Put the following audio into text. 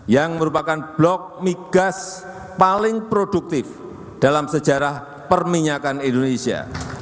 yang merupakan blok migas paling produktif dalam sejarah perminyakan indonesia